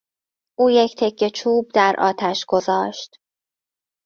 او یک تکه چوب در آتش گذاشت.